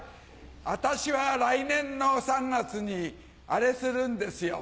私は来年の３月にアレするんですよ。